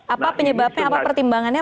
apa penyebabnya apa pertimbangannya